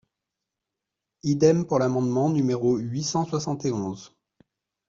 Idem pour l’amendement numéro huit cent soixante et onze.